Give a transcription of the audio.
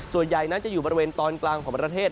ส่วนใหญ่นั้นจะอยู่บริเวณตอนกลางของประเทศ